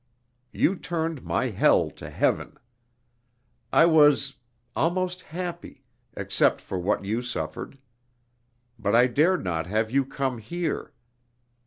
You turned my hell to heaven. I was almost happy, except for what you suffered. But I dared not have you come here.